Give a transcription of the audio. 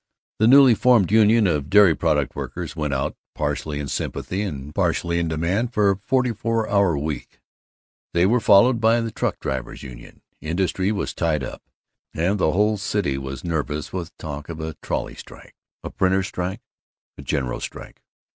The newly formed union of dairy products workers went out, partly in sympathy and partly in demand for a forty four hour week. They were followed by the truck drivers' union. Industry was tied up, and the whole city was nervous with talk of a trolley strike, a printers' strike, a general strike.